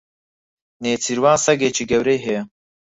نێچیروان سەگێکی گەورەی هەیە.